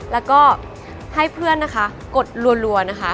แล้วก็ให้เพื่อนนะคะกดรัวนะคะ